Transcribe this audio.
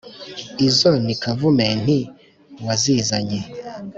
Izo ni Kavumenti wazizanye